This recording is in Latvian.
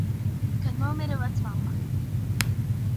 Kad nomira vecmamma.